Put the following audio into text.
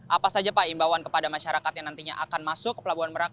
apa saja pak imbauan kepada masyarakat yang nantinya akan masuk ke pelabuhan merak